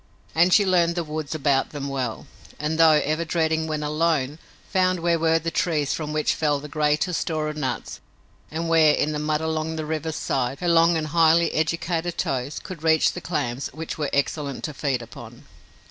And she learned the woods about them well, and, though ever dreading when alone, found where were the trees from which fell the greatest store of nuts and where, in the mud along the river's side, her long and highly educated toes could reach the clams which were excellent to feed upon.